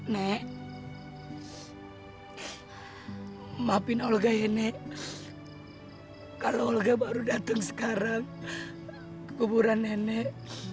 nek maafin olga ya nek kalau olga baru dateng sekarang ke kuburan nenek